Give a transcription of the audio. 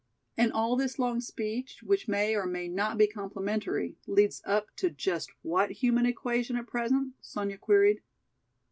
"And all this long speech, which may or may not be complimentary, leads up to just what human equation at present?" Sonya queried.